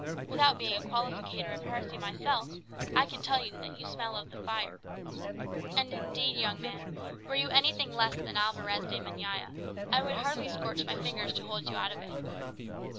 Without being a Qualificator of heresy myself, I can tell that you smell of the fire. And indeed, young man, were you anything less than Alvarez de Meñaya, I would hardly scorch my own fingers to hold you out of it.